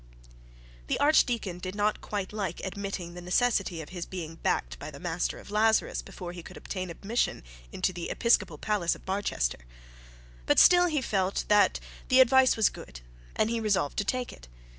The archdeacon did not quite like admitting the necessity of his being backed by the master of Lazarus before he could obtain admission into the episcopal palace of Barchester; but still he felt that the advice was good, and he resolved to take it.